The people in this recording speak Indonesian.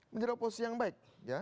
menjadi oposisi yang baik